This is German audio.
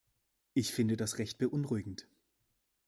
Ich finde das recht beunruhigend.